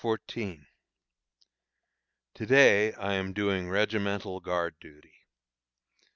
_ To day I am doing regimental guard duty.